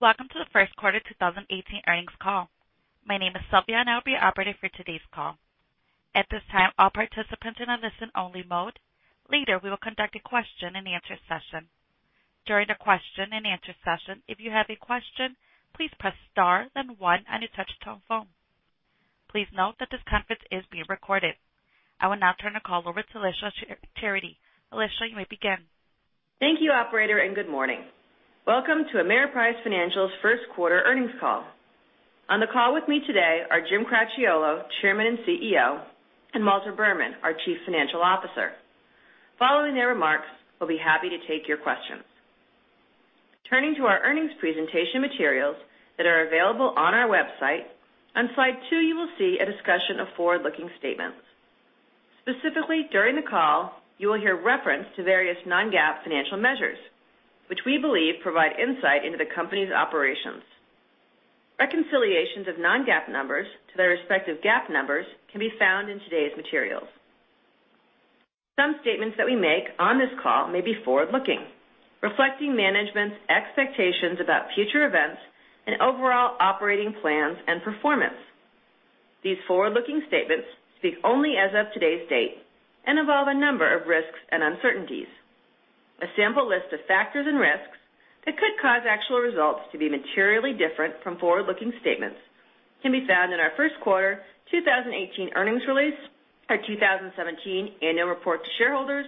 Welcome to the first quarter 2018 earnings call. My name is Sylvia, and I'll be operating for today's call. At this time, all participants are in a listen-only mode. Later, we will conduct a question and answer session. During the question and answer session, if you have a question, please press star then one on your touch-tone phone. Please note that this conference is being recorded. I will now turn the call over to Alicia Charity. Alicia, you may begin. Thank you, operator, and good morning. Welcome to Ameriprise Financial's first quarter earnings call. On the call with me today are Jim Cracchiolo, Chairman and CEO, and Walter Berman, our Chief Financial Officer. Following their remarks, we'll be happy to take your questions. Turning to our earnings presentation materials that are available on our website, on slide two you will see a discussion of forward-looking statements. Specifically, during the call, you will hear reference to various non-GAAP financial measures, which we believe provide insight into the company's operations. Reconciliations of non-GAAP numbers to their respective GAAP numbers can be found in today's materials. Some statements that we make on this call may be forward-looking, reflecting management's expectations about future events and overall operating plans and performance. These forward-looking statements speak only as of today's date and involve a number of risks and uncertainties. A sample list of factors and risks that could cause actual results to be materially different from forward-looking statements can be found in our first quarter 2018 earnings release, our 2017 annual report to shareholders,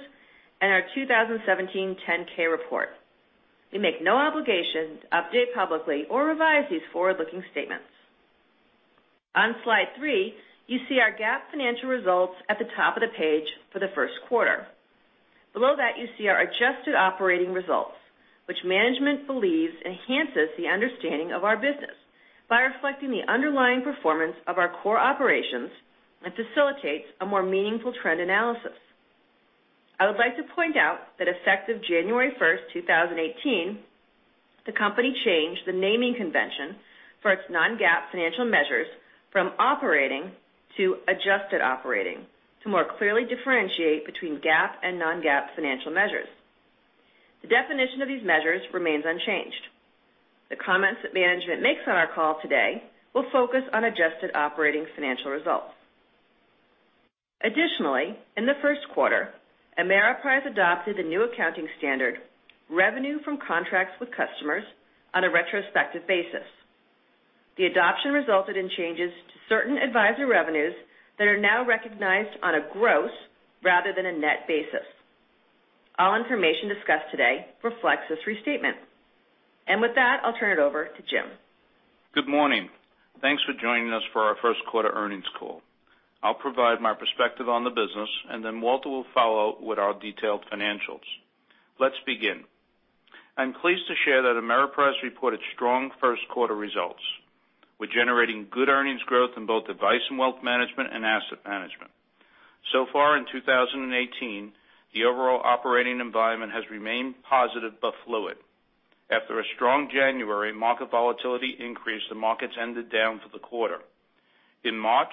and our 2017 10-K report. We make no obligation to update publicly or revise these forward-looking statements. On slide three, you see our GAAP financial results at the top of the page for the first quarter. Below that, you see our adjusted operating results, which management believes enhances the understanding of our business by reflecting the underlying performance of our core operations and facilitates a more meaningful trend analysis. I would like to point out that effective January first, 2018, the company changed the naming convention for its non-GAAP financial measures from operating to adjusted operating to more clearly differentiate between GAAP and non-GAAP financial measures. The definition of these measures remains unchanged. The comments that management makes on our call today will focus on adjusted operating financial results. Additionally, in the first quarter, Ameriprise adopted the new accounting standard, revenue from contracts with customers on a retrospective basis. The adoption resulted in changes to certain advisory revenues that are now recognized on a gross rather than a net basis. With that, I'll turn it over to Jim. Good morning. Thanks for joining us for our first quarter earnings call. I'll provide my perspective on the business, and then Walter will follow with our detailed financials. Let's begin. I'm pleased to share that Ameriprise reported strong first quarter results. We're generating good earnings growth in both advice and wealth management and asset management. So far in 2018, the overall operating environment has remained positive but fluid. After a strong January, market volatility increased, the markets ended down for the quarter. In March,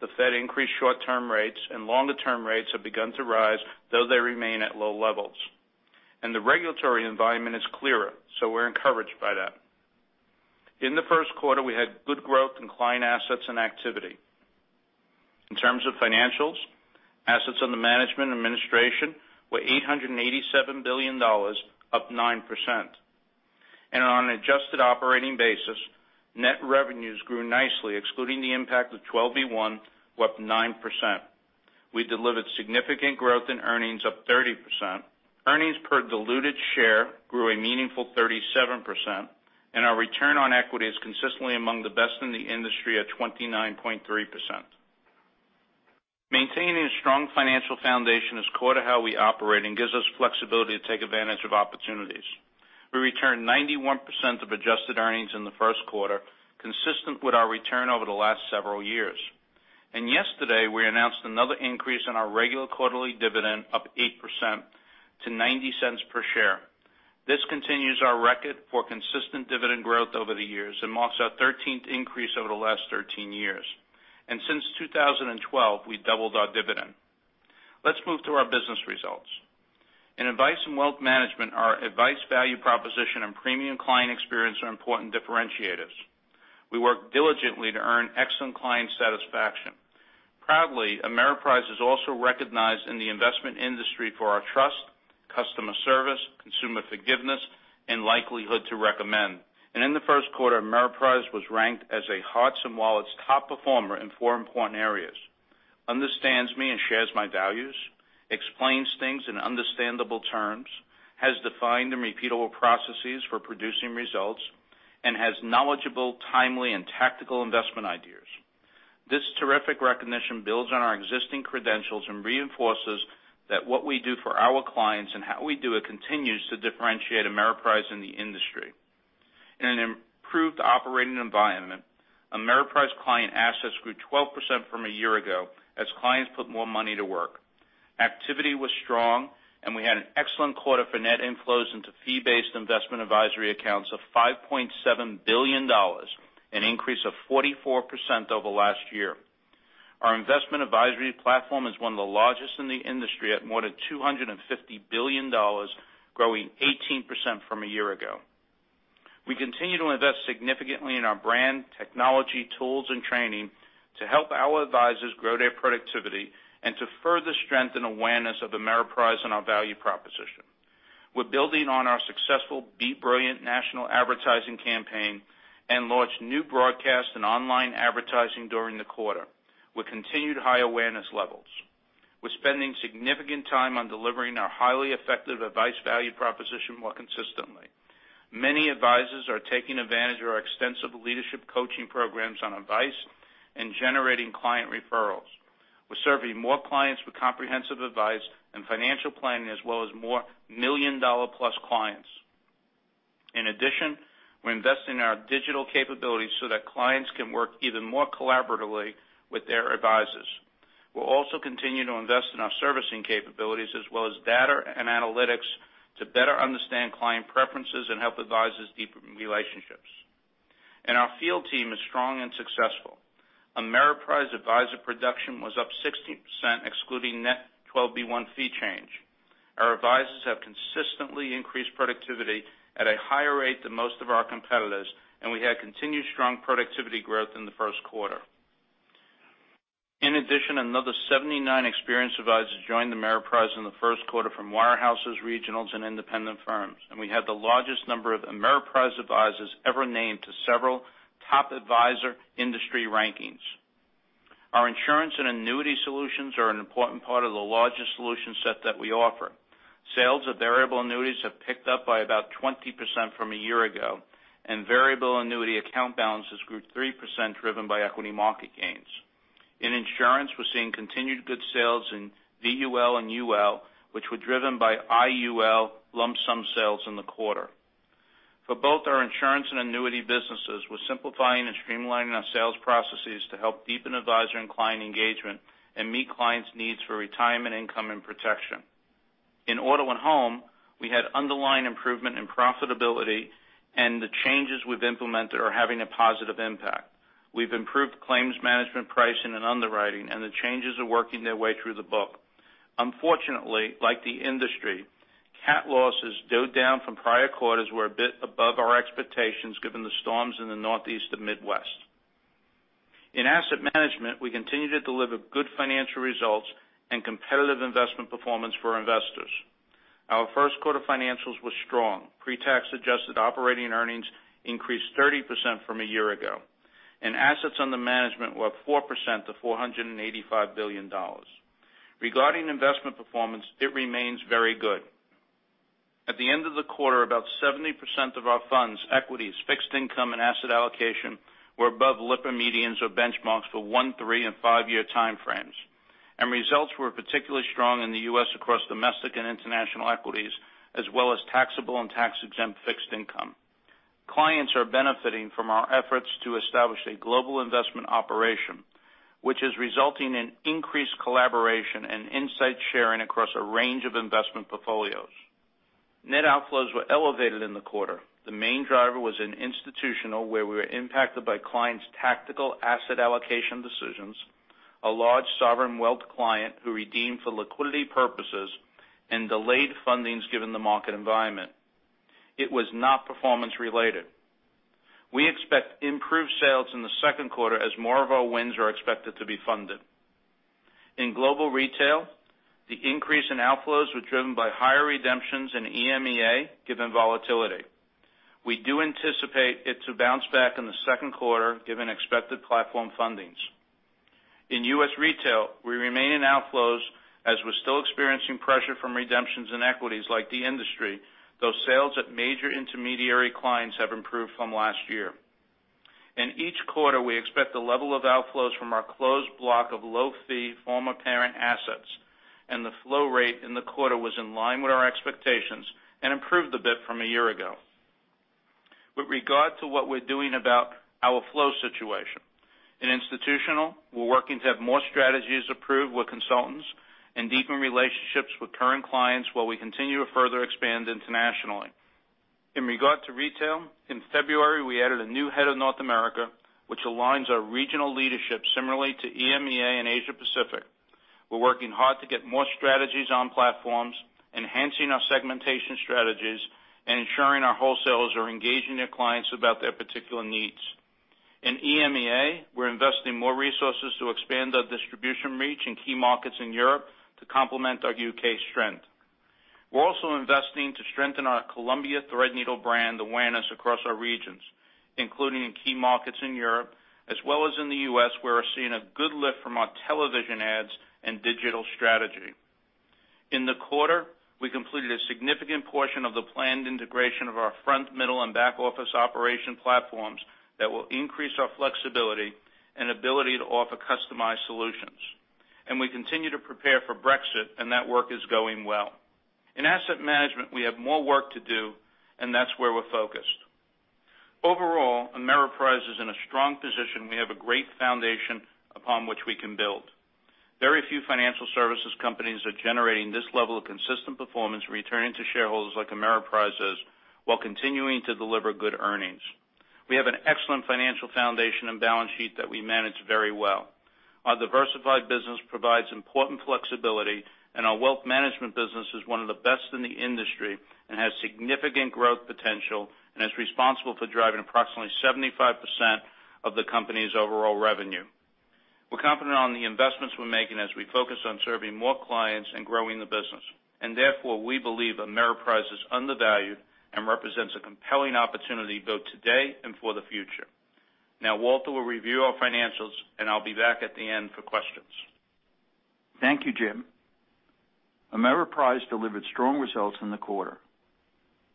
the Fed increased short-term rates, and longer-term rates have begun to rise, though they remain at low levels. The regulatory environment is clearer, we're encouraged by that. In the first quarter, we had good growth in client assets and activity. In terms of financials, assets under management and administration were $887 billion, up 9%. On an adjusted operating basis, net revenues grew nicely, excluding the impact of 12b-1, were up 9%. We delivered significant growth in earnings up 30%. Earnings per diluted share grew a meaningful 37%, and our return on equity is consistently among the best in the industry at 29.3%. Maintaining a strong financial foundation is core to how we operate and gives us flexibility to take advantage of opportunities. We returned 91% of adjusted earnings in the first quarter, consistent with our return over the last several years. Yesterday, we announced another increase in our regular quarterly dividend up 8% to $0.90 per share. This continues our record for consistent dividend growth over the years and marks our 13th increase over the last 13 years. Since 2012, we doubled our dividend. Let's move to our business results. In advice and wealth management, our advice value proposition and premium client experience are important differentiators. We work diligently to earn excellent client satisfaction. Proudly, Ameriprise is also recognized in the investment industry for our trust, customer service, consumer forgiveness, and likelihood to recommend. In the first quarter, Ameriprise was ranked as a Hearts & Wallets top performer in four important areas. Understands me and shares my values, explains things in understandable terms, has defined and repeatable processes for producing results, and has knowledgeable, timely, and tactical investment ideas. This terrific recognition builds on our existing credentials and reinforces that what we do for our clients and how we do it continues to differentiate Ameriprise in the industry. In an improved operating environment, Ameriprise client assets grew 12% from a year ago as clients put more money to work. Activity was strong. We had an excellent quarter for net inflows into fee-based investment advisory accounts of $5.7 billion, an increase of 44% over last year. Our investment advisory platform is one of the largest in the industry at more than $250 billion, growing 18% from a year ago. We continue to invest significantly in our brand, technology, tools, and training to help our advisors grow their productivity and to further strengthen awareness of Ameriprise and our value proposition. We're building on our successful Be Brilliant national advertising campaign and launched new broadcast and online advertising during the quarter, with continued high awareness levels. We're spending significant time on delivering our highly effective advice value proposition more consistently. Many advisors are taking advantage of our extensive leadership coaching programs on advice and generating client referrals. We're serving more clients with comprehensive advice and financial planning as well as more million-dollar-plus clients. We're investing in our digital capabilities so that clients can work even more collaboratively with their advisors. We'll also continue to invest in our servicing capabilities as well as data and analytics to better understand client preferences and help advisors deepen relationships. Our field team is strong and successful. Ameriprise advisor production was up 16%, excluding net 12b-1 fee change. Our advisors have consistently increased productivity at a higher rate than most of our competitors. We had continued strong productivity growth in the first quarter. Another 79 experienced advisors joined Ameriprise in the first quarter from wirehouses, regionals, and independent firms. We had the largest number of Ameriprise advisors ever named to several top advisor industry rankings. Our insurance and annuity solutions are an important part of the largest solution set that we offer. Sales of variable annuities have picked up by about 20% from a year ago. Variable annuity account balances grew 3%, driven by equity market gains. In insurance, we're seeing continued good sales in VUL and UL, which were driven by IUL lump sum sales in the quarter. For both our insurance and annuity businesses, we're simplifying and streamlining our sales processes to help deepen advisor and client engagement and meet clients' needs for retirement income and protection. In auto and home, we had underlying improvement in profitability. The changes we've implemented are having a positive impact. We've improved claims management pricing and underwriting. The changes are working their way through the book. Unfortunately, like the industry, cat losses, though down from prior quarters, were a bit above our expectations given the storms in the Northeast and Midwest. In asset management, we continue to deliver good financial results and competitive investment performance for investors. Our first quarter financials were strong. Pre-tax adjusted operating earnings increased 30% from a year ago. Assets under management were up 4% to $485 billion. Regarding investment performance, it remains very good. At the end of the quarter, about 70% of our funds, equities, fixed income, and asset allocation were above Lipper medians or benchmarks for one, three, and five-year time frames. Results were particularly strong in the U.S. across domestic and international equities, as well as taxable and tax-exempt fixed income. Clients are benefiting from our efforts to establish a global investment operation, which is resulting in increased collaboration and insight sharing across a range of investment portfolios. Net outflows were elevated in the quarter. The main driver was in institutional, where we were impacted by clients' tactical asset allocation decisions, a large sovereign wealth client who redeemed for liquidity purposes and delayed fundings given the market environment. It was not performance related. We expect improved sales in the second quarter as more of our wins are expected to be funded. In global retail, the increase in outflows was driven by higher redemptions in EMEA, given volatility. We do anticipate it to bounce back in the second quarter, given expected platform fundings. In U.S. retail, we remain in outflows as we're still experiencing pressure from redemptions in equities like the industry, though sales at major intermediary clients have improved from last year. In each quarter, we expect the level of outflows from our closed block of low-fee former parent assets, and the flow rate in the quarter was in line with our expectations and improved a bit from a year ago. With regard to what we're doing about our flow situation, in institutional, we're working to have more strategies approved with consultants and deepen relationships with current clients while we continue to further expand internationally. In regard to retail, in February, we added a new head of North America, which aligns our regional leadership similarly to EMEA and Asia Pacific. We're working hard to get more strategies on platforms, enhancing our segmentation strategies, and ensuring our wholesalers are engaging their clients about their particular needs. In EMEA, we're investing more resources to expand our distribution reach in key markets in Europe to complement our U.K. strength. We're also investing to strengthen our Columbia Threadneedle brand awareness across our regions, including in key markets in Europe, as well as in the U.S., where we're seeing a good lift from our television ads and digital strategy. In the quarter, we completed a significant portion of the planned integration of our front, middle, and back-office operation platforms that will increase our flexibility and ability to offer customized solutions. We continue to prepare for Brexit, and that work is going well. In asset management, we have more work to do, and that's where we're focused. Overall, Ameriprise is in a strong position. We have a great foundation upon which we can build. Very few financial services companies are generating this level of consistent performance returning to shareholders like Ameriprise does while continuing to deliver good earnings. We have an excellent financial foundation and balance sheet that we manage very well. Our diversified business provides important flexibility, and our wealth management business is one of the best in the industry and has significant growth potential and is responsible for driving approximately 75% of the company's overall revenue. We're confident on the investments we're making as we focus on serving more clients and growing the business. Therefore, we believe Ameriprise is undervalued and represents a compelling opportunity both today and for the future. Now Walter will review our financials, and I'll be back at the end for questions. Thank you, Jim. Ameriprise delivered strong results in the quarter.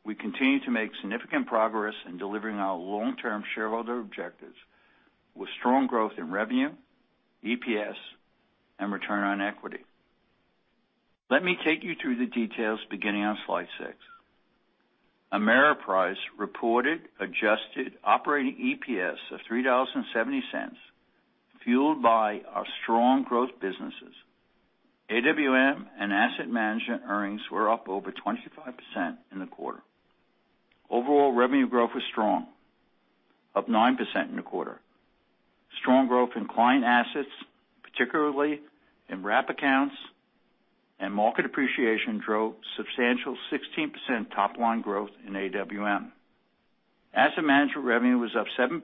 We continue to make significant progress in delivering our long-term shareholder objectives with strong growth in revenue, EPS, and return on equity. Let me take you through the details beginning on slide six. Ameriprise reported adjusted operating EPS of $3.70, fueled by our strong growth businesses. AWM and asset management earnings were up over 25% in the quarter. Overall revenue growth was strong, up 9% in the quarter. Strong growth in client assets, particularly in wrap accounts and market appreciation, drove substantial 16% top-line growth in AWM. Asset management revenue was up 7%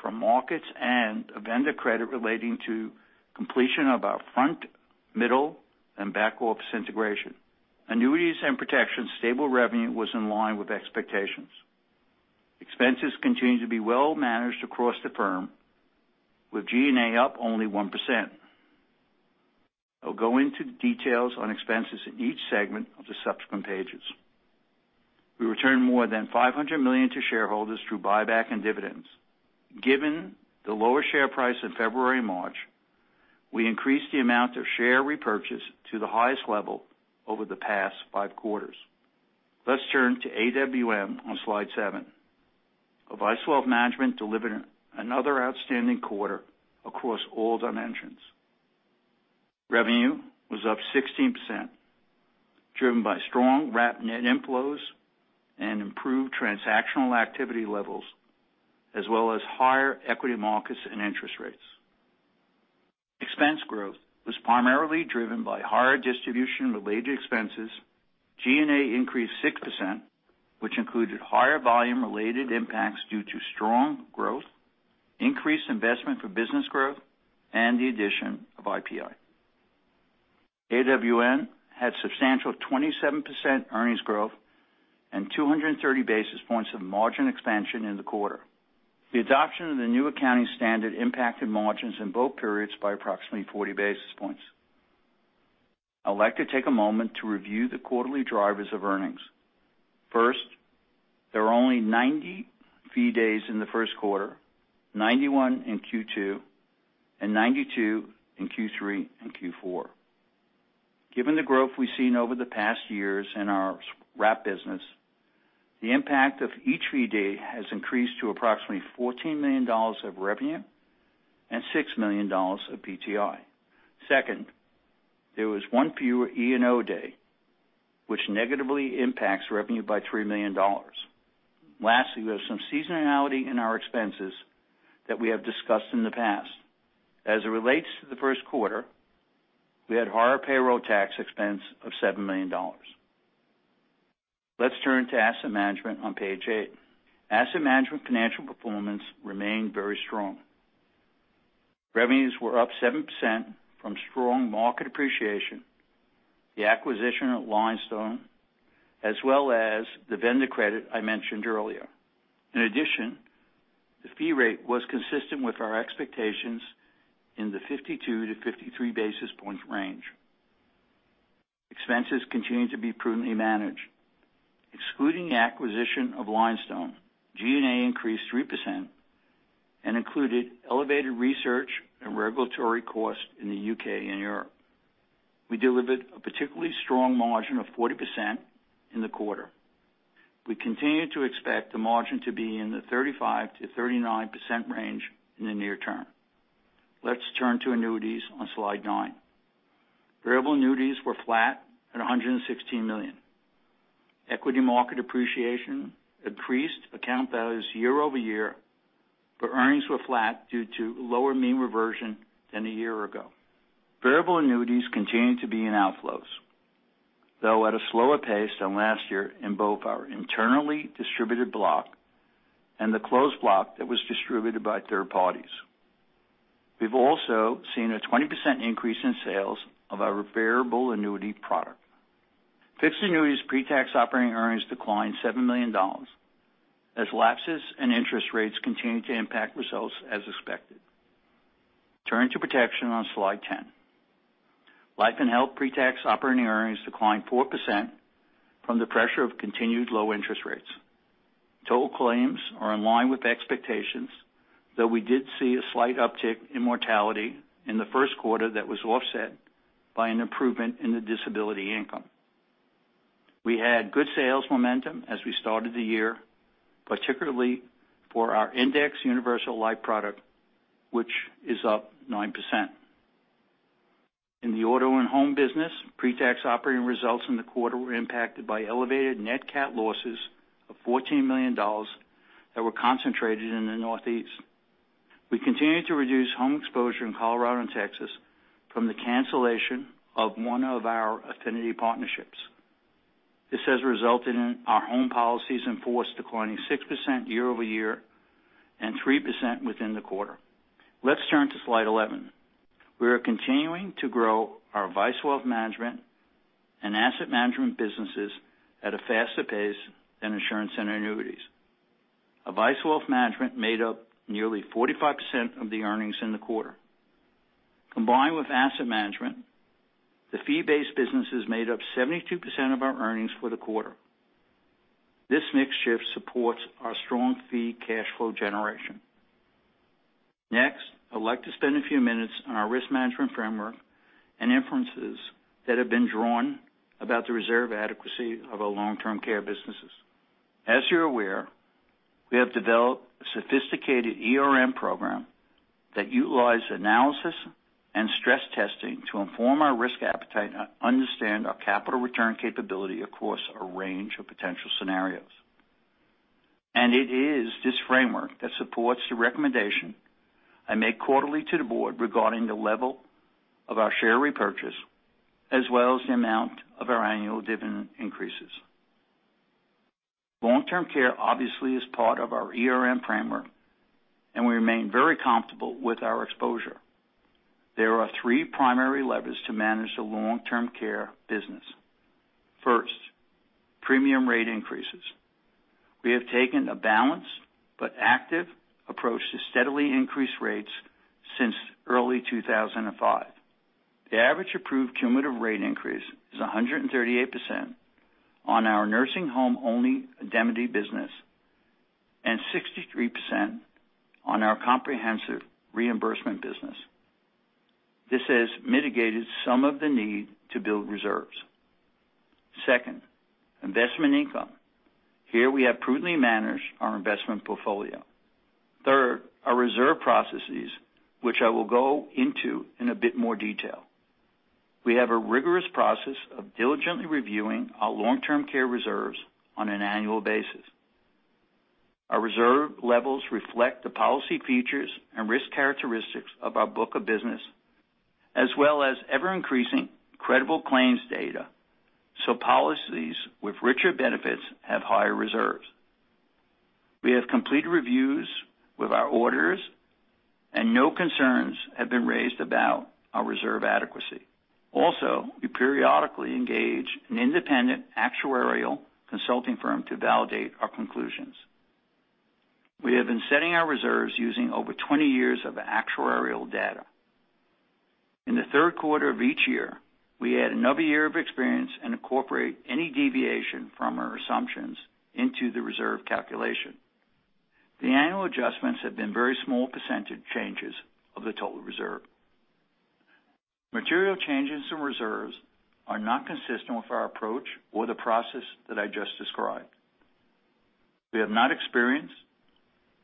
from markets and a vendor credit relating to completion of our front, middle, and back-office integration. Annuities and protection stable revenue was in line with expectations. Expenses continue to be well managed across the firm, with G&A up only 1%. I'll go into the details on expenses in each segment of the subsequent pages. We returned more than $500 million to shareholders through buyback and dividends. Given the lower share price in February and March, we increased the amount of share repurchase to the highest level over the past five quarters. Let's turn to AWM on slide seven. Advice Wealth Management delivered another outstanding quarter across all dimensions. Revenue was up 16%, driven by strong wrap net inflows and improved transactional activity levels, as well as higher equity markets and interest rates. Expense growth was primarily driven by higher distribution-related expenses. G&A increased 6%, which included higher volume-related impacts due to strong growth, increased investment for business growth, and the addition of IPI. AWM had substantial 27% earnings growth and 230 basis points of margin expansion in the quarter. The adoption of the new accounting standard impacted margins in both periods by approximately 40 basis points. I'd like to take a moment to review the quarterly drivers of earnings. First, there are only 90 fee days in the first quarter, 91 in Q2, and 92 in Q3 and Q4. Given the growth we've seen over the past years in our wrap business, the impact of each fee day has increased to approximately $14 million of revenue and $6 million of PTI. Second, there was one fewer E&O day, which negatively impacts revenue by $3 million. Lastly, we have some seasonality in our expenses that we have discussed in the past. As it relates to the first quarter, we had higher payroll tax expense of $7 million. Let's turn to asset management on page eight. Asset management financial performance remained very strong. Revenues were up 7% from strong market appreciation, the acquisition of Lionstone, as well as the vendor credit I mentioned earlier. In addition, the fee rate was consistent with our expectations in the 52-53 basis points range. Expenses continue to be prudently managed. Excluding the acquisition of Lionstone, G&A increased 3% and included elevated research and regulatory costs in the U.K. and Europe. We delivered a particularly strong margin of 40% in the quarter. We continue to expect the margin to be in the 35%-39% range in the near term. Let's turn to annuities on slide nine. Variable annuities were flat at $116 million. Equity market appreciation increased account values year-over-year, but earnings were flat due to lower mean reversion than a year ago. Variable annuities continue to be in outflows, though at a slower pace than last year in both our internally distributed block and the closed block that was distributed by third parties. We've also seen a 20% increase in sales of our variable annuity product. Fixed annuities pre-tax operating earnings declined $7 million as lapses and interest rates continue to impact results as expected. Turn to protection on slide ten. Life and health pre-tax operating earnings declined 4% from the pressure of continued low interest rates. Total claims are in line with expectations, though we did see a slight uptick in mortality in the first quarter that was offset by an improvement in the disability income. We had good sales momentum as we started the year, particularly for our indexed universal life product, which is up 9%. In the auto and home business, pre-tax operating results in the quarter were impacted by elevated net cat losses of $14 million that were concentrated in the Northeast. We continued to reduce home exposure in Colorado and Texas from the cancellation of one of our affinity partnerships. This has resulted in our home policies in force declining 6% year-over-year and 3% within the quarter. Let's turn to slide 11. We are continuing to grow our Advice & Wealth Management and asset management businesses at a faster pace than insurance and annuities. Advice & Wealth Management made up nearly 45% of the earnings in the quarter. Combined with asset management, the fee-based businesses made up 72% of our earnings for the quarter. This mix shift supports our strong fee cash flow generation. Next, I'd like to spend a few minutes on our risk management framework and inferences that have been drawn about the reserve adequacy of our long-term care businesses. As you're aware, we have developed a sophisticated ERM program that utilizes analysis and stress testing to inform our risk appetite and understand our capital return capability across a range of potential scenarios. It is this framework that supports the recommendation I make quarterly to the board regarding the level of our share repurchase, as well as the amount of our annual dividend increases. Long-term care obviously is part of our ERM framework, and we remain very comfortable with our exposure. There are three primary levers to manage the long-term care business. First, premium rate increases. We have taken a balanced but active approach to steadily increase rates since early 2005. The average approved cumulative rate increase is 138% on our nursing home only indemnity business and 63% on our comprehensive reimbursement business. This has mitigated some of the need to build reserves. Second, investment income. Here we have prudently managed our investment portfolio. Third, our reserve processes, which I will go into in a bit more detail. We have a rigorous process of diligently reviewing our long-term care reserves on an annual basis. Our reserve levels reflect the policy features and risk characteristics of our book of business as well as ever-increasing credible claims data, so policies with richer benefits have higher reserves. We have complete reviews with our auditors, and no concerns have been raised about our reserve adequacy. Also, we periodically engage an independent actuarial consulting firm to validate our conclusions. We have been setting our reserves using over 20 years of actuarial data. In the third quarter of each year, we add another year of experience and incorporate any deviation from our assumptions into the reserve calculation. The annual adjustments have been very small percentage changes of the total reserve. Material changes to reserves are not consistent with our approach or the process that I just described. We have not experienced,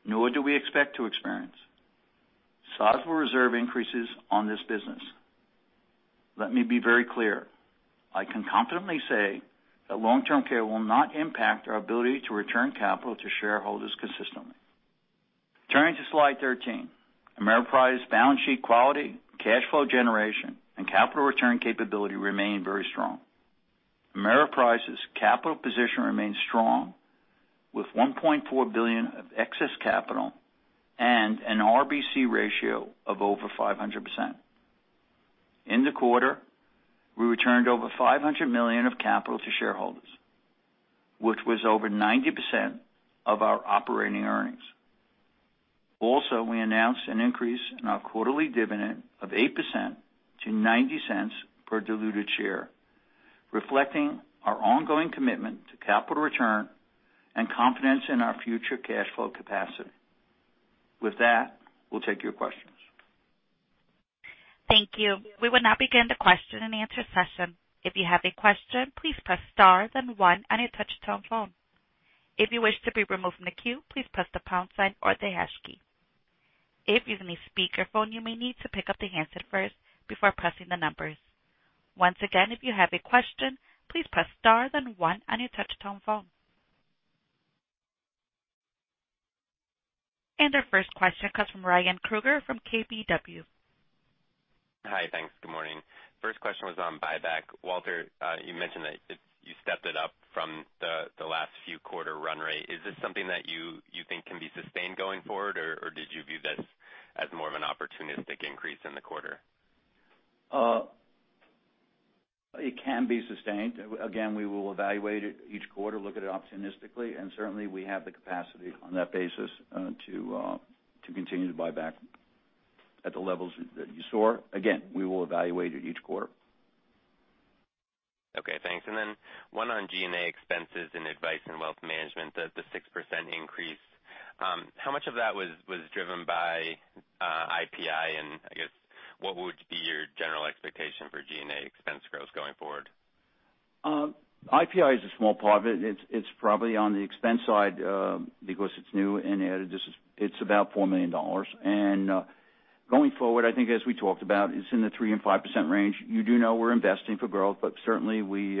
nor do we expect to experience sizable reserve increases on this business. Let me be very clear, I can confidently say that long-term care will not impact our ability to return capital to shareholders consistently. Turning to slide 13. Ameriprise balance sheet quality, cash flow generation, and capital return capability remain very strong. Ameriprise's capital position remains strong with $1.4 billion of excess capital and an RBC ratio of over 500%. In the quarter, we returned over $500 million of capital to shareholders, which was over 90% of our operating earnings. We announced an increase in our quarterly dividend of 8% to $0.90 per diluted share, reflecting our ongoing commitment to capital return and confidence in our future cash flow capacity. With that, we'll take your questions. Thank you. We will now begin the question and answer session. If you have a question, please press star then one on your touch-tone phone. If you wish to be removed from the queue, please press the pound sign or the hash key. If you're using a speakerphone, you may need to pick up the handset first before pressing the numbers. Once again, if you have a question, please press star then one on your touch-tone phone. Our first question comes from Ryan Krueger from KBW. Hi, thanks. Good morning. First question was on buyback. Walter, you mentioned that you stepped it up from the last few quarter run rate. Is this something that you think can be sustained going forward or did you view this as more of an opportunistic increase in the quarter? It can be sustained. Again, we will evaluate it each quarter, look at it opportunistically, and certainly, we have the capacity on that basis to continue to buy back at the levels that you saw. Again, we will evaluate it each quarter. Okay, thanks. One on G&A expenses and Advice & Wealth Management, the 6% increase. How much of that was driven by IPI, I guess what would be your general expectation for G&A expense growth going forward? IPI is a small part of it. It's probably on the expense side because it's new and added. It's about $4 million. Going forward, I think as we talked about, it's in the 3%-5% range. You do know we're investing for growth, certainly we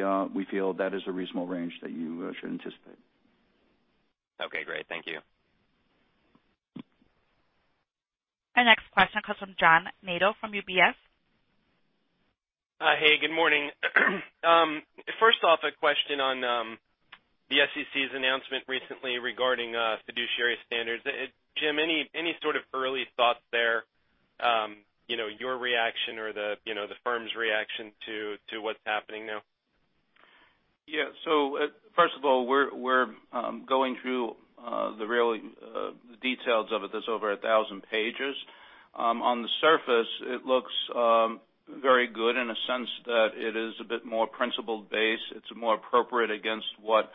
feel that is a reasonable range that you should anticipate. Okay, great. Thank you. Our next question comes from John Nadel, from UBS. Hey, good morning. First off, a question on the SEC's announcement recently regarding fiduciary standards. Jim, any sort of early thoughts there? Your reaction or the firm's reaction to what's happening now? Yeah. First of all, we're going through the real details of it. There's over 1,000 pages. On the surface, it looks very good in a sense that it is a bit more principled based. It's more appropriate against what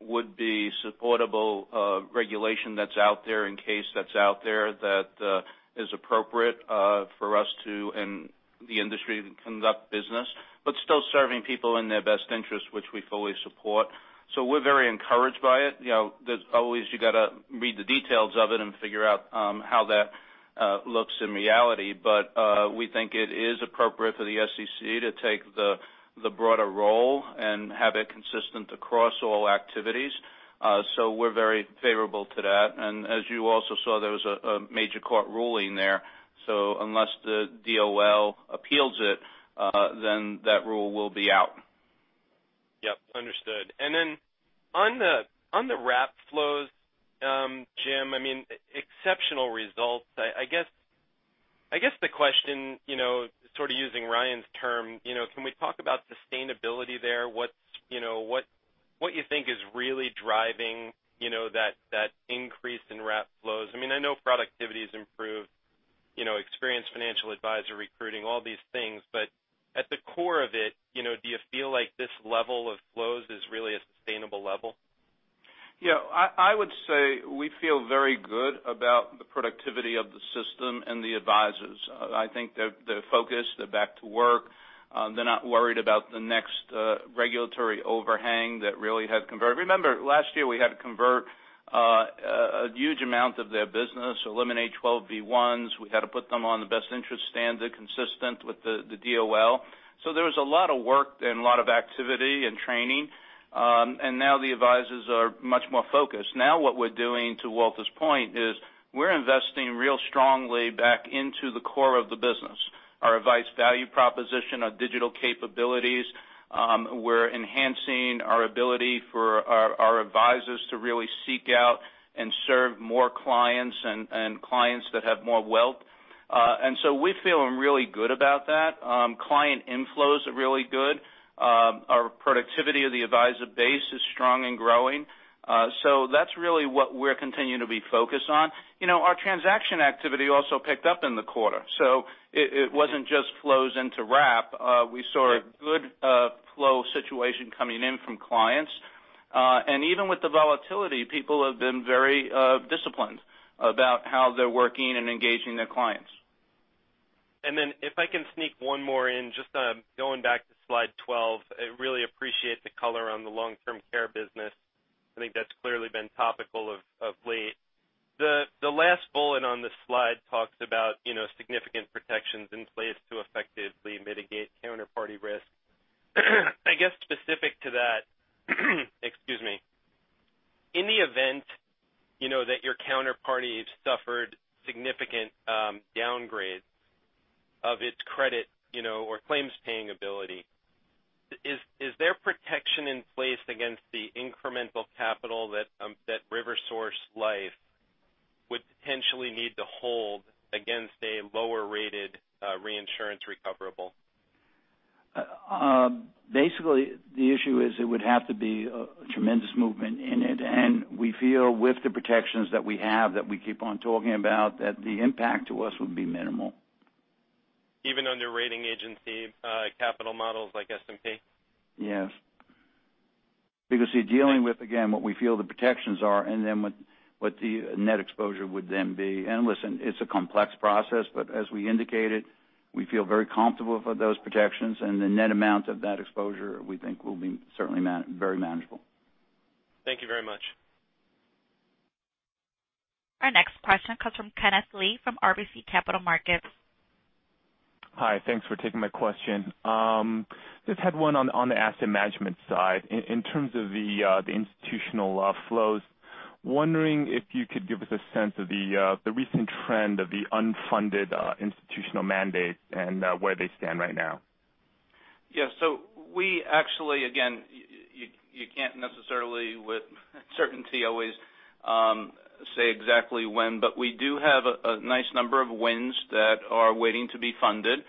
would be supportable regulation that's out there in case that's out there that is appropriate for us to, and the industry to conduct business. Still serving people in their best interest, which we fully support. We're very encouraged by it. Always you got to read the details of it and figure out how that looks in reality. We think it is appropriate for the SEC to take the broader role and have it consistent across all activities. We're very favorable to that. As you also saw, there was a major court ruling there. Unless the DOL appeals it, then that rule will be out. Yep, understood. On the wrap flows, Jim, exceptional results. I guess the question, sort of using Ryan's term, can we talk about sustainability there? What you think is really driving that increase in wrap flows? I know productivity's improved, experienced financial advisor recruiting, all these things. At the core of it, do you feel like this level of flows is really a sustainable level? Yeah. I would say we feel very good about the productivity of the system and the advisors. I think they're focused. They're back to work. They're not worried about the next regulatory overhang. Remember last year, we had to convert a huge amount of their business, eliminate 12b-1s. We had to put them on the best interest standard consistent with the DOL. There was a lot of work and a lot of activity and training. Now the advisors are much more focused. Now what we're doing, to Walter's point, is we're investing real strongly back into the core of the business. Our advice value proposition, our digital capabilities. We're enhancing our ability for our advisors to really seek out and serve more clients and clients that have more wealth. We're feeling really good about that. Client inflows are really good. Our productivity of the advisor base is strong and growing. That's really what we're continuing to be focused on. Our transaction activity also picked up in the quarter, so it wasn't just flows into wrap. We saw a good flow situation coming in from clients. Even with the volatility, people have been very disciplined about how they're working and engaging their clients. If I can sneak one more in, just going back to slide 12. I really appreciate the color on the long-term care business. I think that's clearly been topical of late. The last bullet on the slide talks about significant protections in place to effectively mitigate counterparty risk. I guess specific to that, excuse me. In the event that your counterparty suffered significant downgrades of its credit or claims paying ability, is there protection in place against the incremental capital that RiverSource Life would potentially need to hold against a lower-rated reinsurance recoverable? Basically, the issue is it would have to be a tremendous movement in it. We feel with the protections that we have that we keep on talking about, that the impact to us would be minimal. Even under rating agency capital models like S&P? Yes. Because you're dealing with, again, what we feel the protections are and then what the net exposure would then be. Listen, it's a complex process, as we indicated, we feel very comfortable for those protections, and the net amount of that exposure we think will be certainly very manageable. Thank you very much. Our next question comes from Kenneth Lee from RBC Capital Markets. Hi. Thanks for taking my question. Just had one on the asset management side. In terms of the institutional flows, wondering if you could give us a sense of the recent trend of the unfunded institutional mandate and where they stand right now. We actually, again, you can't necessarily with certainty always say exactly when, but we do have a nice number of wins that are waiting to be funded.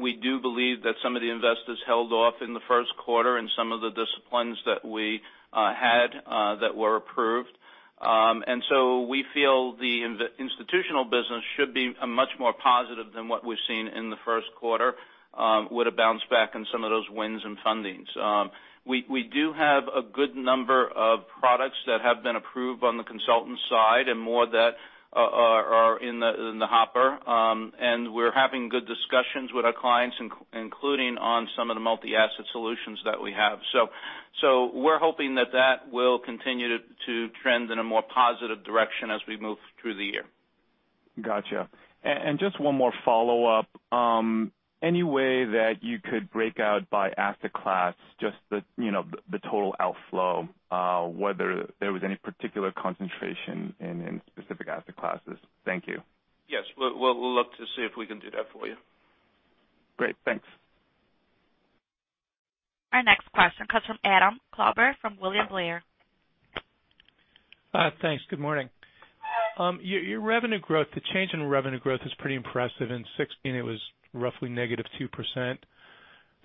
We do believe that some of the investors held off in the first quarter in some of the disciplines that we had that were approved. We feel the institutional business should be much more positive than what we've seen in the first quarter. Would have bounced back in some of those wins and fundings. We do have a good number of products that have been approved on the consultant side and more that are in the hopper. We're having good discussions with our clients, including on some of the multi-asset solutions that we have. We're hoping that will continue to trend in a more positive direction as we move through the year. Got you. Just one more follow-up. Any way that you could break out by asset class, just the total outflow, whether there was any particular concentration in specific asset classes? Thank you. Yes. We'll look to see if we can do that for you. Great. Thanks. Our next question comes from Adam Klauber from William Blair. Thanks. Good morning. Your revenue growth, the change in revenue growth is pretty impressive. In 2016, it was roughly negative 2%.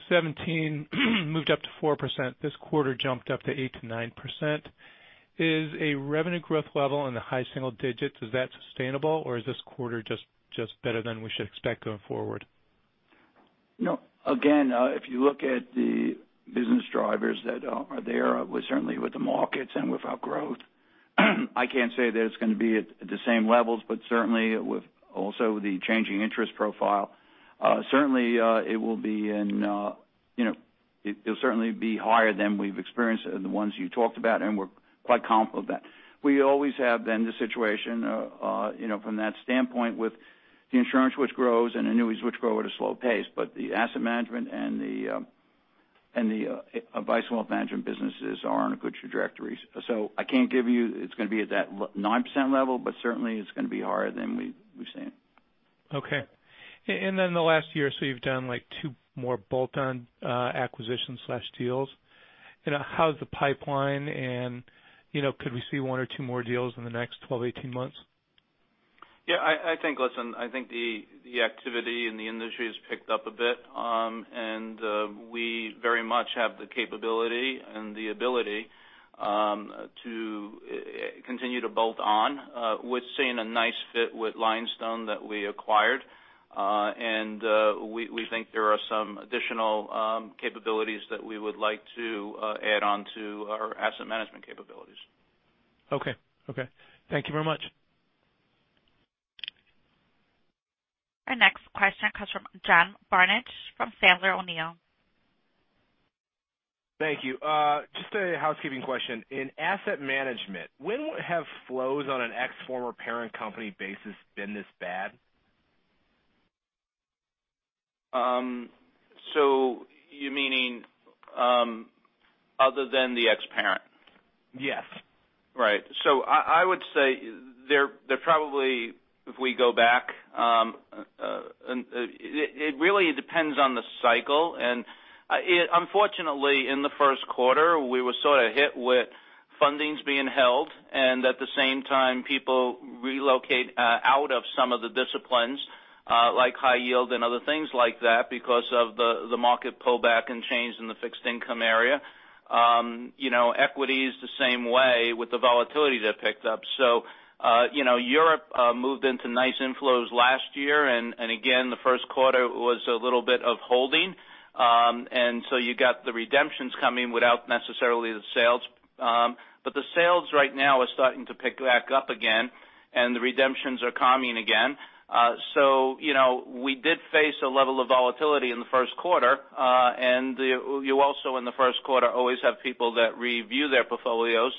2017 moved up to 4%. This quarter jumped up to 8%-9%. Is a revenue growth level in the high single digits, is that sustainable, or is this quarter just better than we should expect going forward? No. Again, if you look at the business drivers that are there, certainly with the markets and with our growth, I can't say that it's going to be at the same levels, but certainly with also the changing interest profile. It'll certainly be higher than we've experienced, the ones you talked about, and we're quite confident of that. We always have then the situation from that standpoint with the insurance which grows and annuities which grow at a slow pace, but the asset management and the Advice & Wealth Management businesses are on a good trajectory. I can't give you it's going to be at that 9% level, but certainly it's going to be higher than we've seen. Okay. Then the last year or so, you've done two more bolt-on acquisition/deals. How's the pipeline, and could we see one or two more deals in the next 12, 18 months? Yeah, I think the activity in the industry has picked up a bit. We very much have the capability and the ability to continue to bolt on. We're seeing a nice fit with Lionstone that we acquired. We think there are some additional capabilities that we would like to add on to our asset management capabilities. Okay. Thank you very much. Our next question comes from John Barnidge from Sandler O'Neill. Thank you. Just a housekeeping question. In asset management, when have flows on an ex-former parent company basis been this bad? You meaning other than the ex-parent? Yes. Right. I would say they're probably, if we go back, it really depends on the cycle. Unfortunately, in the first quarter, we were sort of hit with fundings being held, and at the same time, people relocate out of some of the disciplines like high yield and other things like that because of the market pullback and change in the fixed income area. Equities, the same way with the volatility that picked up. Europe moved into nice inflows last year, and again, the first quarter was a little bit of holding. You got the redemptions coming without necessarily the sales. The sales right now are starting to pick back up again, and the redemptions are calming again. We did face a level of volatility in the first quarter. You also in the first quarter always have people that review their portfolios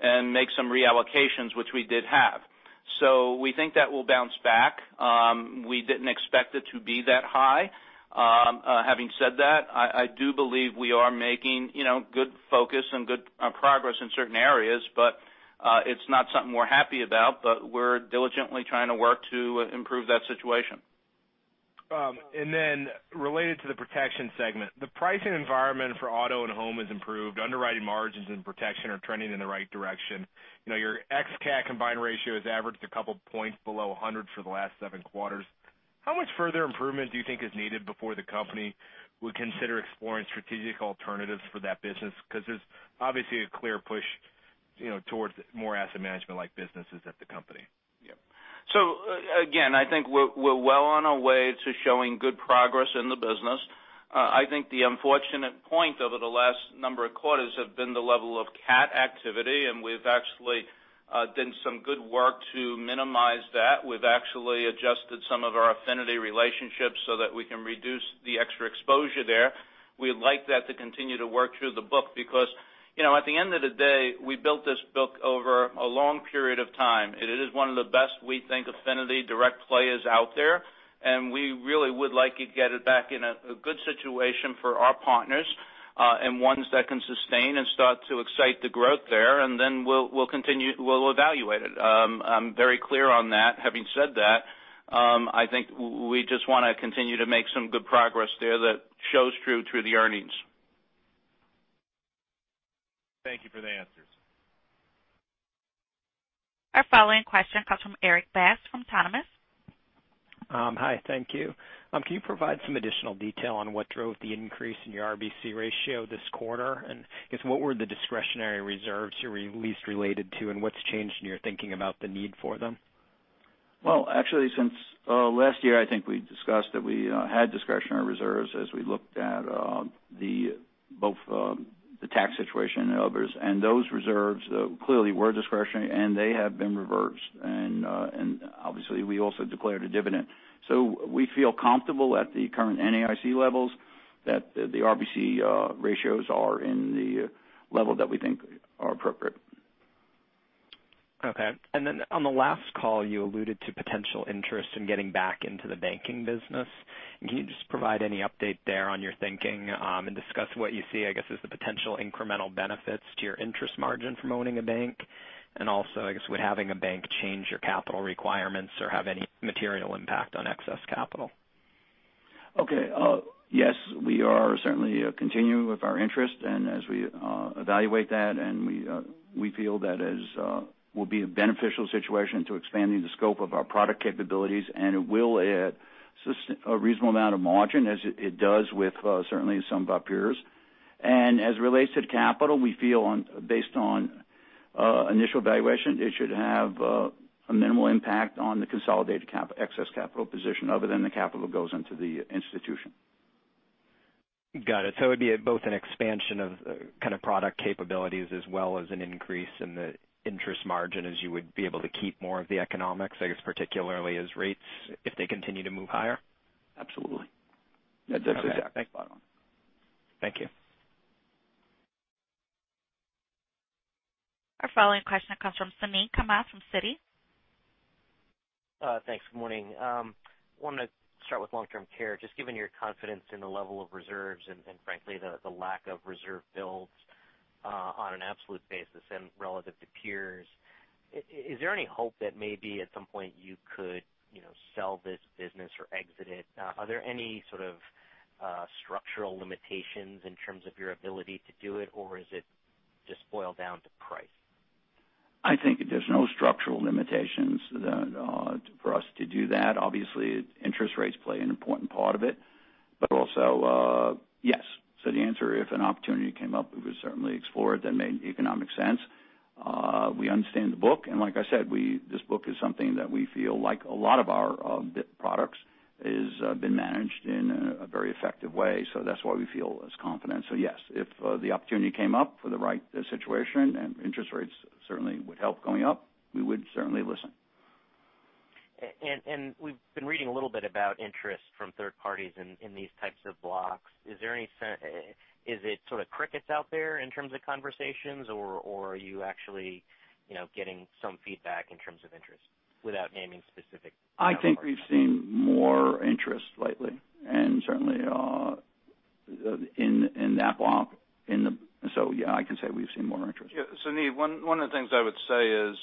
and make some reallocations, which we did have. We think that will bounce back. We didn't expect it to be that high. Having said that, I do believe we are making good focus and good progress in certain areas, but it's not something we're happy about, but we're diligently trying to work to improve that situation. Related to the protection segment, the pricing environment for auto and home has improved. Underwriting margins and protection are trending in the right direction. Your ex-cat combined ratio has averaged a couple points below 100 for the last seven quarters. How much further improvement do you think is needed before the company would consider exploring strategic alternatives for that business? Because there's obviously a clear push towards more asset management-like businesses at the company. Again, I think we're well on our way to showing good progress in the business. I think the unfortunate point over the last number of quarters have been the level of cat activity, and we've actually done some good work to minimize that. We've actually adjusted some of our affinity relationships so that we can reduce the extra exposure there. We'd like that to continue to work through the book because at the end of the day, we built this book over a long period of time, and it is one of the best, we think, affinity direct players out there, and we really would like to get it back in a good situation for our partners, and ones that can sustain and start to excite the growth there. Then we'll evaluate it. I'm very clear on that. Having said that, I think we just want to continue to make some good progress there that shows true through the earnings. Thank you for the answers. Our following question comes from Erik Bass from Autonomous Research. Hi. Thank you. Can you provide some additional detail on what drove the increase in your RBC ratio this quarter? I guess what were the discretionary reserves you released related to, and what's changed in your thinking about the need for them? Well, actually, since last year, I think we discussed that we had discretionary reserves as we looked at both the tax situation and others. Those reserves clearly were discretionary, and they have been reversed. Obviously we also declared a dividend. We feel comfortable at the current NAIC levels that the RBC ratios are in the level that we think are appropriate. Okay. Then on the last call, you alluded to potential interest in getting back into the banking business. Can you just provide any update there on your thinking, and discuss what you see, I guess, as the potential incremental benefits to your interest margin from owning a bank? Also, I guess, would having a bank change your capital requirements or have any material impact on excess capital? Yes, we are certainly continuing with our interest and as we evaluate that, and we feel that will be a beneficial situation to expanding the scope of our product capabilities, and it will add a reasonable amount of margin as it does with certainly some of our peers. As it relates to capital, we feel based on initial evaluation, it should have a minimal impact on the consolidated excess capital position other than the capital that goes into the institution. Got it. It'd be both an expansion of kind of product capabilities as well as an increase in the interest margin as you would be able to keep more of the economics, I guess particularly as rates if they continue to move higher? Absolutely. That's exactly. Okay. Thanks, Walter. Thank you. Our following question comes from Suneet Kamath from Citi. Thanks. Good morning. I wanted to start with long-term care, just given your confidence in the level of reserves and frankly the lack of reserve builds, on an absolute basis and relative to peers. Is there any hope that maybe at some point you could sell this business or exit it? Are there any sort of structural limitations in terms of your ability to do it, or is it just boiled down to price? I think there's no structural limitations for us to do that. Obviously, interest rates play an important part of it, but also, yes. The answer, if an opportunity came up, we would certainly explore it that made economic sense. We understand the book, and like I said, this book is something that we feel like a lot of our products has been managed in a very effective way, that's why we feel as confident. Yes, if the opportunity came up for the right situation and interest rates certainly would help going up, we would certainly listen. We've been reading a little bit about interest from third parties in these types of blocks. Is it sort of crickets out there in terms of conversations, or are you actually getting some feedback in terms of interest without naming specific partners? I think we've seen more interest lately, and certainly in that block. Yeah, I can say we've seen more interest. Yeah. Suneet, one of the things I would say is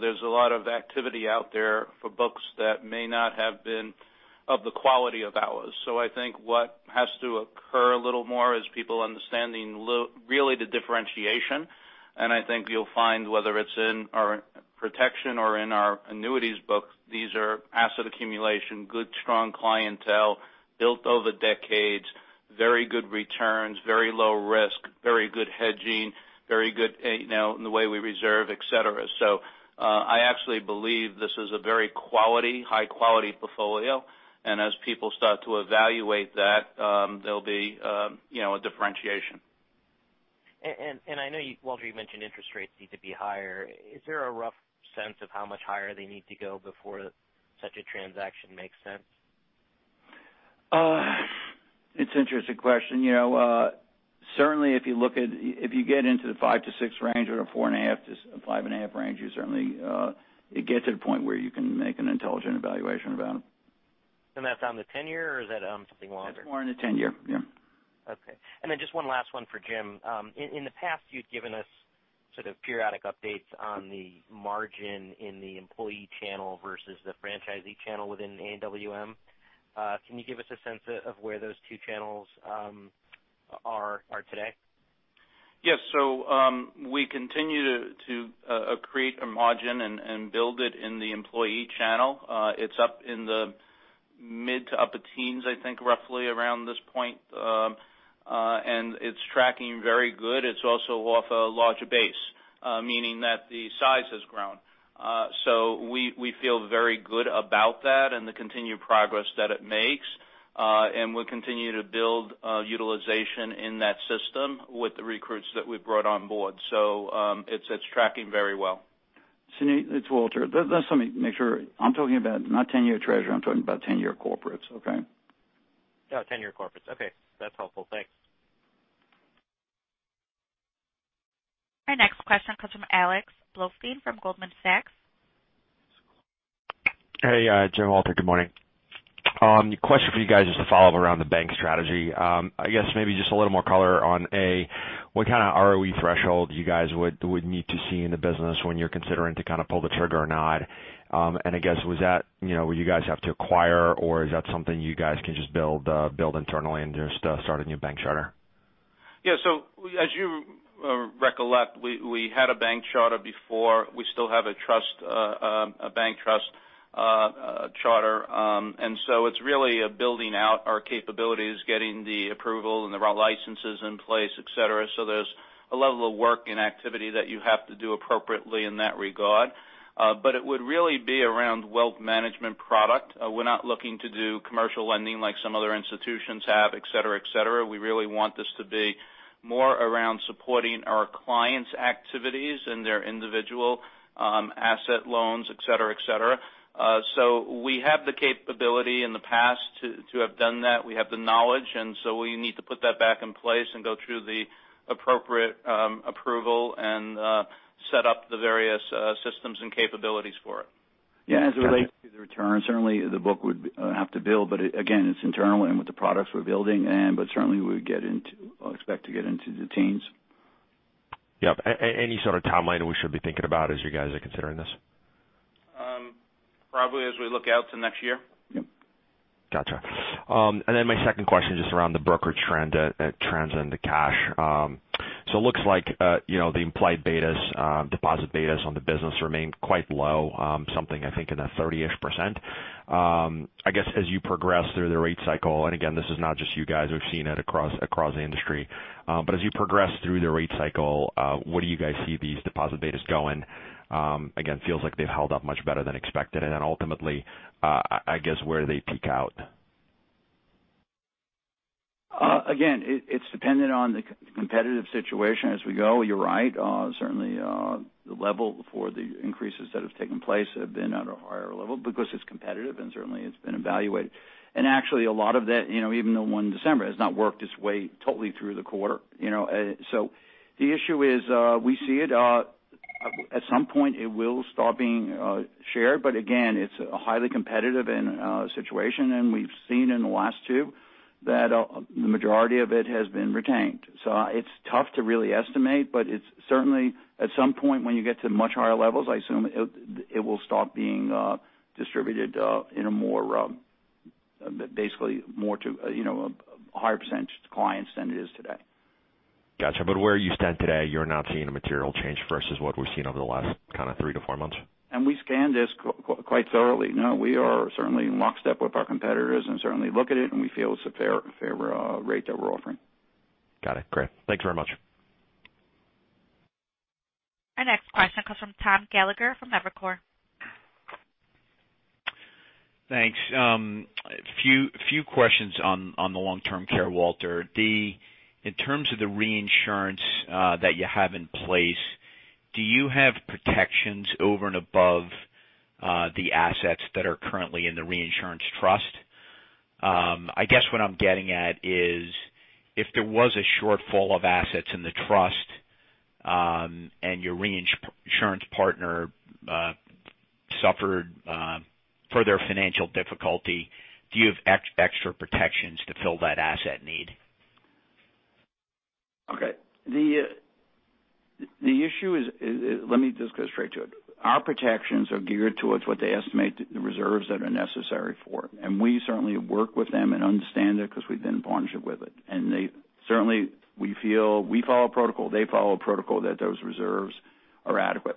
there's a lot of activity out there for books that may not have been of the quality of ours. I think what has to occur a little more is people understanding really the differentiation. I think you'll find whether it's in our protection or in our annuities book, these are asset accumulation, good strong clientele, built over decades, very good returns, very low risk, very good hedging, very good in the way we reserve, et cetera. I actually believe this is a very high-quality portfolio, and as people start to evaluate that, there'll be a differentiation. I know, Walter, you mentioned interest rates need to be higher. Is there a rough sense of how much higher they need to go before such a transaction makes sense? It's an interesting question. Certainly if you get into the five to six range or the four and a half to five and a half range, it gets to the point where you can make an intelligent evaluation about it. That's on the 10-year, or is that something longer? That's more on the 10-year. Yeah. Okay. Just one last one for Jim. In the past, you'd given us sort of periodic updates on the margin in the employee channel versus the franchisee channel within AWM. Can you give us a sense of where those two channels are today? Yes. We continue to create a margin and build it in the employee channel. It's up in the mid to upper teens, I think, roughly around this point. It's tracking very good. It's also off a larger base, meaning that the size has grown. We feel very good about that and the continued progress that it makes. We continue to build utilization in that system with the recruits that we've brought on board. It's tracking very well. Suneet, it's Walter. Just let me make sure. I'm talking about not 10-year Treasury, I'm talking about 10-year corporates, okay? Oh, 10-year corporates. Okay. That's helpful. Thanks. Our next question comes from Alex Blostein from Goldman Sachs. Hey, Jim, Walter. Good morning. Question for you guys just to follow up around the bank strategy. I guess maybe just a little more color on A, what kind of ROE threshold you guys would need to see in the business when you're considering to kind of pull the trigger or not? I guess would you guys have to acquire, or is that something you guys can just build internally and just start a new bank charter? Yeah. As you recollect, we had a bank charter before. We still have a bank trust. It's really building out our capabilities, getting the approval and the right licenses in place, et cetera. There's a level of work and activity that you have to do appropriately in that regard. It would really be around wealth management product. We're not looking to do commercial lending like some other institutions have, et cetera. We really want this to be more around supporting our clients' activities and their individual asset loans, et cetera. We have the capability in the past to have done that. We have the knowledge, we need to put that back in place and go through the appropriate approval and set up the various systems and capabilities for it. Yeah. As it relates to the return, certainly the book would have to build, but again, it's internal and with the products we're building. Certainly we'll expect to get into the teens. Yep. Any sort of timeline we should be thinking about as you guys are considering this? Probably as we look out to next year. Yep. Got you. My second question, just around the broker trends and the cash. It looks like the implied betas, deposit betas on the business remain quite low, something, I think, in the 30%. I guess as you progress through the rate cycle, and again, this is not just you guys, we've seen it across the industry. As you progress through the rate cycle, where do you guys see these deposit betas going? Again, feels like they've held up much better than expected. Ultimately, I guess, where do they peak out? Again, it's dependent on the competitive situation as we go. You're right. Certainly, the level for the increases that have taken place have been at a higher level because it's competitive and certainly it's been evaluated. Actually, a lot of that, even the one in December, has not worked its way totally through the quarter. The issue is, we see it at some point it will stop being shared. Again, it's a highly competitive situation, and we've seen in the last two that the majority of it has been retained. It's tough to really estimate, but it's certainly at some point when you get to much higher levels, I assume it will stop being distributed in a more, basically more to a higher % to clients than it is today. Got you. Where you stand today, you're not seeing a material change versus what we've seen over the last kind of three to four months? We scanned this quite thoroughly. No, we are certainly in lockstep with our competitors and certainly look at it, and we feel it's a fair rate that we're offering. Got it. Great. Thanks very much. Our next question comes from Thomas Gallagher from Evercore. Thanks. Few questions on the long-term care, Walter. In terms of the reinsurance that you have in place, do you have protections over and above the assets that are currently in the reinsurance trust? I guess what I'm getting at is if there was a shortfall of assets in the trust, and your reinsurance partner suffered further financial difficulty, do you have extra protections to fill that asset need? Okay. The issue is, let me just go straight to it. Our protections are geared towards what they estimate the reserves that are necessary for. We certainly work with them and understand it because we've been in partnership with it. Certainly, we feel we follow a protocol, they follow a protocol that those reserves are adequate.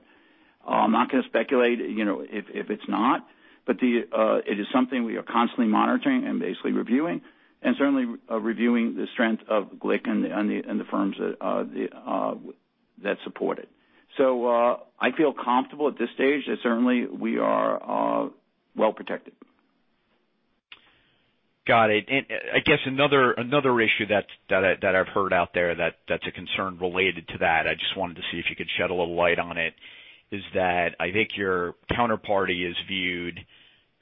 I'm not going to speculate if it's not. It is something we are constantly monitoring and basically reviewing, and certainly reviewing the strength of GLIC and the firms that support it. I feel comfortable at this stage that certainly we are well protected. Got it. I guess another issue that I've heard out there that's a concern related to that, I just wanted to see if you could shed a little light on it, is that I think your counterparty is viewed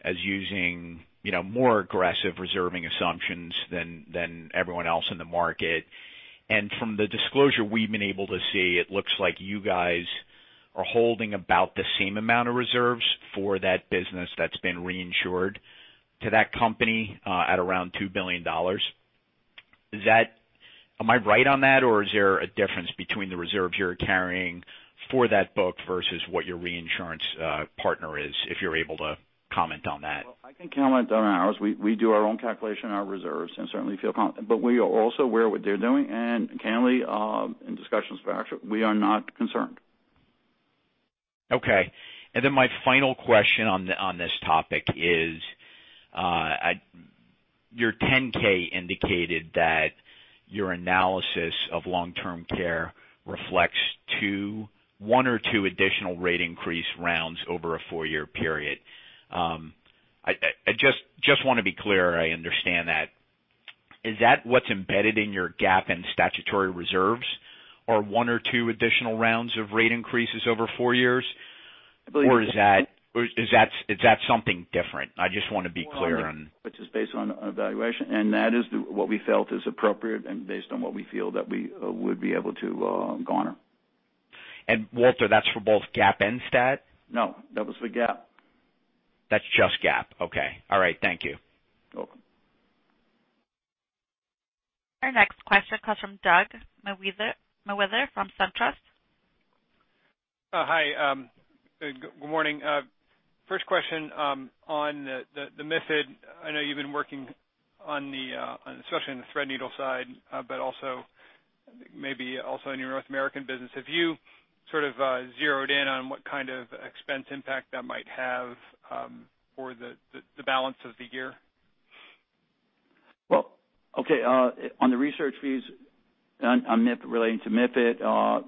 as using more aggressive reserving assumptions than everyone else in the market. From the disclosure we've been able to see, it looks like you guys are holding about the same amount of reserves for that business that's been reinsured to that company at around $2 billion. Am I right on that, or is there a difference between the reserves you're carrying for that book versus what your reinsurance partner is, if you're able to comment on that? Well, I can comment on ours. We do our own calculation on our reserves, and certainly feel confident. We are also aware of what they're doing, and candidly, in discussions with our actuary, we are not concerned. Okay. My final question on this topic is, your 10-K indicated that your analysis of long-term care reflects one or two additional rate increase rounds over a four-year period. I just want to be clear I understand that. Is that what's embedded in your GAAP and statutory reserves are one or two additional rounds of rate increases over four years? I believe- Is that something different? I just want to be clear. Well, which is based on evaluation, and that is what we felt is appropriate and based on what we feel that we would be able to garner. Walter, that's for both GAAP and stat? No, that was for GAAP. That's just GAAP. Okay. All right. Thank you. You're welcome. Our next question comes from Douglas Mewhirter from SunTrust. Hi. Good morning. First question on the MiFID. I know you've been working especially on the Threadneedle side, but also maybe also in your North American business. Have you zeroed in on what kind of expense impact that might have for the balance of the year? Well, okay. On the research fees relating to MiFID,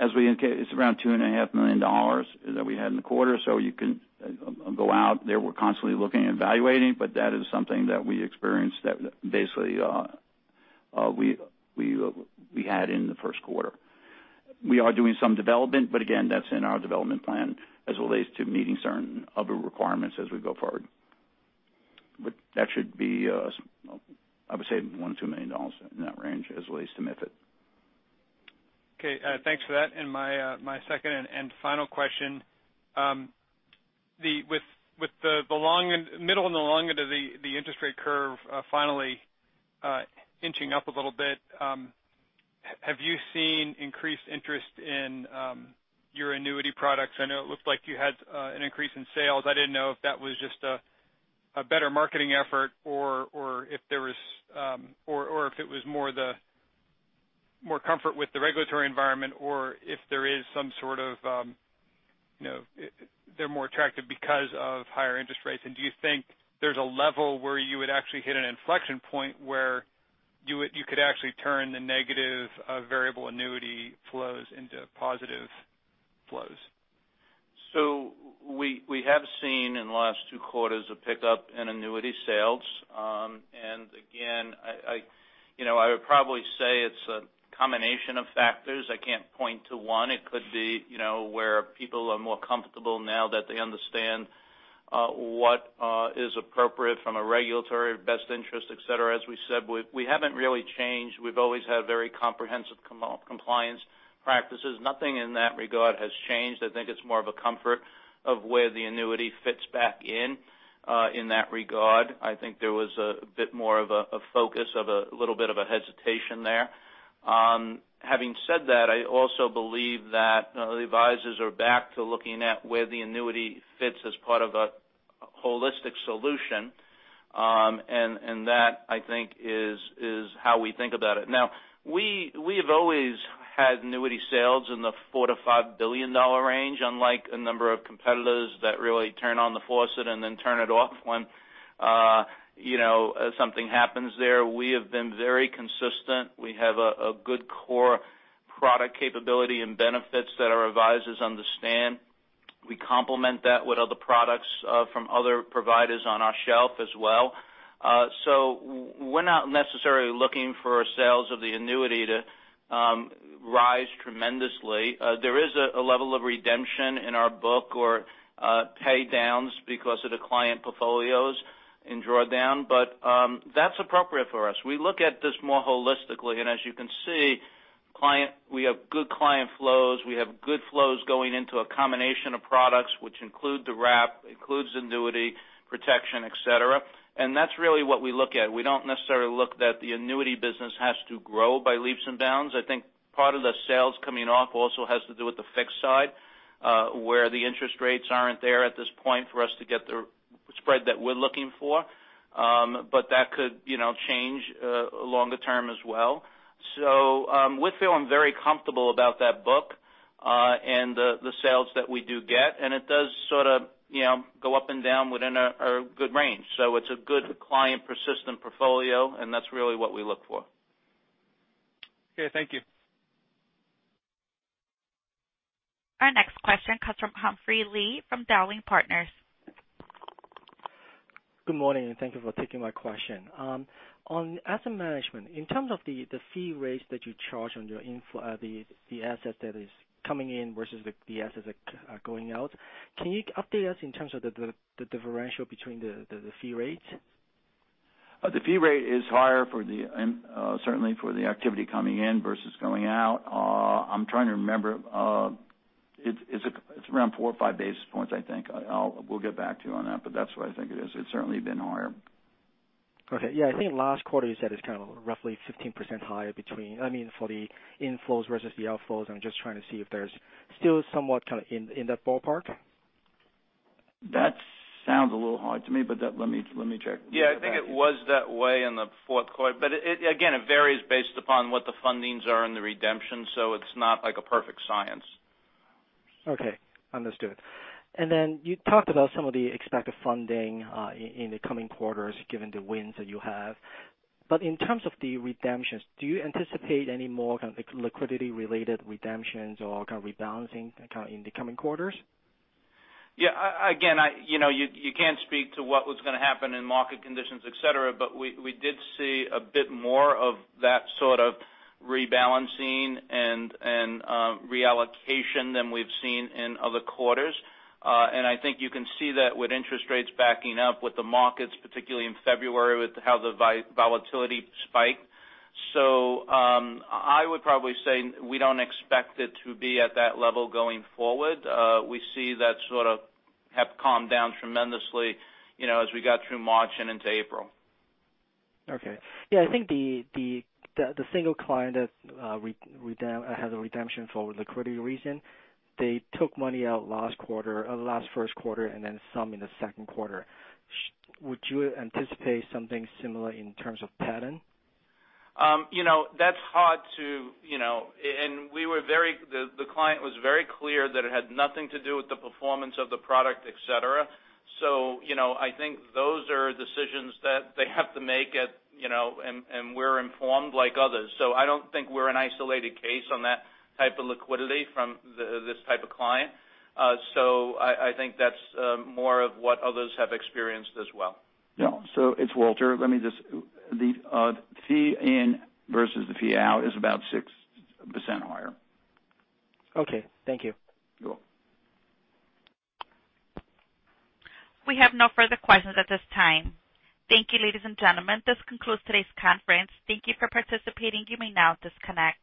it's around $2.5 million that we had in the quarter. You can go out there. We're constantly looking and evaluating, but that is something that we experienced that basically, we had in the first quarter. We are doing some development, but again, that's in our development plan as it relates to meeting certain other requirements as we go forward. That should be, I would say, $1 or $2 million, in that range, as it relates to MiFID. Okay, thanks for that. My second and final question. With the middle and the longer the interest rate curve finally inching up a little bit, have you seen increased interest in your annuity products? I know it looked like you had an increase in sales. I didn't know if that was just a better marketing effort, or if it was more comfort with the regulatory environment, or if they're more attractive because of higher interest rates. Do you think there's a level where you would actually hit an inflection point where you could actually turn the negative variable annuity flows into positive flows? We have seen in the last two quarters a pickup in annuity sales. Again, I would probably say it's a combination of factors. I can't point to one. It could be where people are more comfortable now that they understand what is appropriate from a regulatory best interest, et cetera. As we said, we haven't really changed. We've always had very comprehensive compliance practices. Nothing in that regard has changed. I think it's more of a comfort of where the annuity fits back in that regard. I think there was a bit more of a focus of a little bit of a hesitation there. Having said that, I also believe that the advisors are back to looking at where the annuity fits as part of a holistic solution. That, I think, is how we think about it. We have always had annuity sales in the $4 billion-$5 billion range, unlike a number of competitors that really turn on the faucet and then turn it off when something happens there. We have been very consistent. We have a good core product capability and benefits that our advisors understand. We complement that with other products from other providers on our shelf as well. We're not necessarily looking for sales of the annuity to rise tremendously. There is a level of redemption in our book or pay downs because of the client portfolios in drawdown, but that's appropriate for us. We look at this more holistically, and as you can see, we have good client flows, we have good flows going into a combination of products which include the wrap, includes annuity protection, et cetera. That's really what we look at. We don't necessarily look that the annuity business has to grow by leaps and bounds. I think part of the sales coming off also has to do with the fixed side, where the interest rates aren't there at this point for us to get the spread that we're looking for. That could change longer term as well. We're feeling very comfortable about that book and the sales that we do get, and it does sort of go up and down within a good range. It's a good client persistent portfolio, and that's really what we look for. Okay, thank you. Our next question comes from Humphrey Lee from Dowling & Partners. Good morning. Thank you for taking my question. On asset management, in terms of the fee rates that you charge on the asset that is coming in versus the assets that are going out, can you update us in terms of the differential between the fee rates? The fee rate is higher, certainly for the activity coming in versus going out. I'm trying to remember. It's around four or five basis points, I think. We'll get back to you on that, but that's what I think it is. It's certainly been higher. Okay. Yeah, I think last quarter you said it's kind of roughly 15% higher for the inflows versus the outflows. I'm just trying to see if there's still somewhat kind of in that ballpark. That sounds a little high to me, but let me check. Yeah, I think it was that way in the fourth quarter. Again, it varies based upon what the fundings are in the redemption. It's not like a perfect science. Okay. Understood. Then you talked about some of the expected funding in the coming quarters, given the wins that you have. In terms of the redemptions, do you anticipate any more kind of liquidity related redemptions or kind of rebalancing in the coming quarters? Again, you can't speak to what was going to happen in market conditions, et cetera, we did see a bit more of that sort of rebalancing and reallocation than we've seen in other quarters. I think you can see that with interest rates backing up with the markets, particularly in February, with how the volatility spiked. I would probably say we don't expect it to be at that level going forward. We see that sort of have calmed down tremendously as we got through March and into April. Okay. I think the single client that has a redemption for liquidity reason, they took money out last first quarter then some in the second quarter. Would you anticipate something similar in terms of pattern? That's hard to. The client was very clear that it had nothing to do with the performance of the product, et cetera. I think those are decisions that they have to make, and we're informed like others. I don't think we're an isolated case on that type of liquidity from this type of client. I think that's more of what others have experienced as well. Yeah. It's Walter. The fee in versus the fee out is about 6% higher. Okay. Thank you. You're welcome. We have no further questions at this time. Thank you, ladies and gentlemen. This concludes today's conference. Thank you for participating. You may now disconnect.